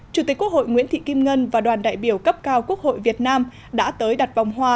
chủ tịch quốc hội nguyễn thị kim ngân và đoàn đại biểu cấp cao quốc hội việt nam đã tới đặt vòng hoa